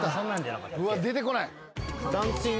うわ出てこない。